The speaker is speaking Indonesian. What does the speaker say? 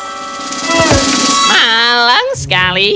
tidak ada yang bisa dilakukan dengan hal kecil yang kau sebut kaki